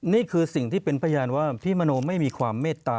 นี่คือสิ่งที่เป็นพยานว่าพี่มโนไม่มีความเมตตา